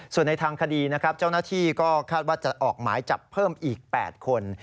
ส่วนในทางคดีนะครับเจ้าหน้าที่ก็คาดว่าจะออกหมายจับเพิ่มอีก๘คน